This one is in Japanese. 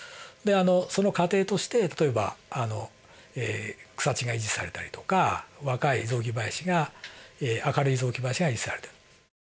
その過程として例えば草地が維持されたりとか若い雑木林が明るい雑木林が維持されている。